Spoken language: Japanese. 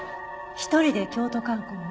一人で京都観光を？